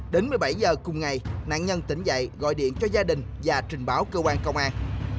đến một mươi bảy giờ cùng ngày nạn nhân tỉnh dậy gọi điện cho gia đình và trình báo cơ quan công an